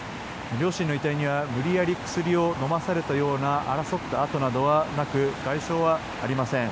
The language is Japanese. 両親の遺体には無理やり薬を飲まされたような争った跡などはなく外傷はありません。